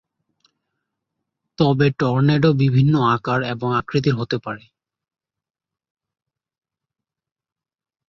তবে টর্নেডো বিভিন্ন আকার এবং আকৃতির হতে পারে।